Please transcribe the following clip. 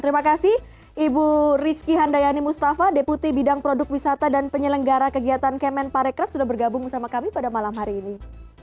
terima kasih ibu rizky handayani mustafa deputi bidang produk wisata dan penyelenggara kegiatan kemen parekraf sudah bergabung bersama kami pada malam hari ini